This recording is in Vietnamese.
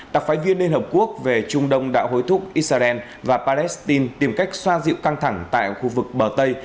đặc phái viên liên hợp quốc về trung đông đã hối thúc israel và palestine tìm cách xoa dịu căng thẳng tại khu vực bờ tây